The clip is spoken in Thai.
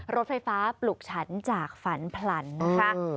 รถไฟฟ้าปลุกฉันจากฝันผลันนะคะ